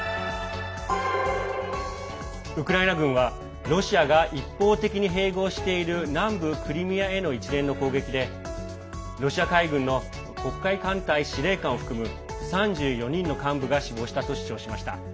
ウクライナ軍はロシアが一方的に併合している南部クリミアへの一連の攻撃でロシア海軍の黒海艦隊司令官を含む３４人の幹部が死亡したと主張しました。